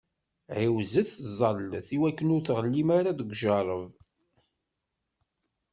Ɛiwzet, ẓẓallet, iwakken ur tɣellim ara deg ujeṛṛeb!